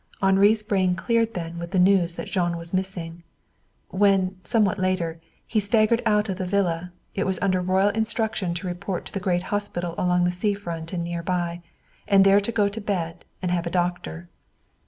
Henri's brain cleared then with the news that Jean was missing. When, somewhat later, he staggered out of the villa, it was under royal instructions to report to the great hospital along the sea front and near by, and there to go to bed and have a doctor.